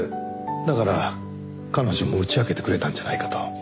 だから彼女も打ち明けてくれたんじゃないかと。